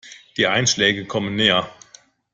Die Einschläge kommen näher.